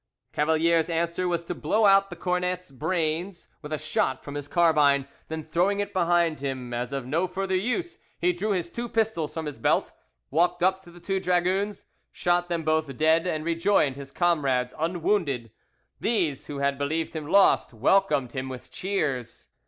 Cavalier's answer was to blow out the cornet's brains with a shot from his carbine, then throwing it behind him as of no further use, he drew his two pistols from his belt, walked up to the two dragoons, shot them both dead, and rejoined his comrades unwounded. These, who had believed him lost, welcomed him with cheers.